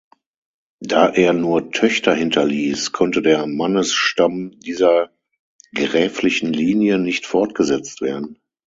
Da er nur Töchter hinterließ, konnte der Mannesstamm dieser gräflichen Linie nicht fortgesetzt werden.